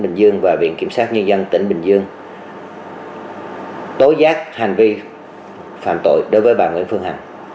bình dương và viện kiểm sát nhân dân tỉnh bình dương tối giác hành vi phạm tội đối với bà nguyễn phương hằng